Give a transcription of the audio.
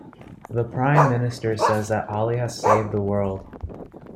The Prime Minister says that Ali has saved the world.